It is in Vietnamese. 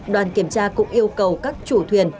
đoàn kiểm tra cũng yêu cầu các chủ thuyền